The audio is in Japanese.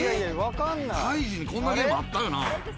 カイジにこんなゲーム、あったよな。